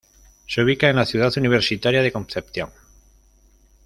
Se ubica en la Ciudad Universitaria de Concepción.